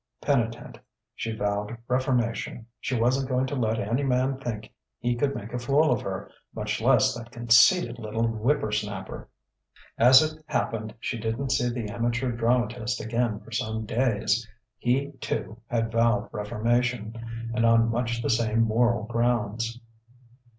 Penitent, she vowed reformation. She wasn't going to let any man think he could make a fool of her, much less that conceited little whippersnapper. As it happened, she didn't see the amateur dramatist again for some days. He, too, had vowed reformation, and on much the same moral grounds.